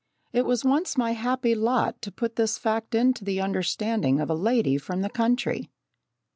It was once my happy lot to put this fact into the understanding of a lady from the country.